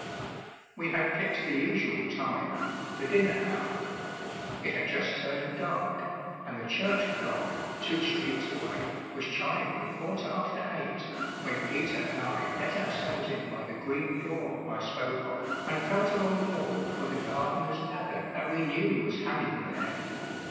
We had picked the usual time the dinner hour. It had just turned dark, and the church clock, two streets away, was chiming the quarter after eight, when Peter and I let ourselves in by the green door I spoke of and felt along the wall for the gardener's ladder that we knew was hanging there.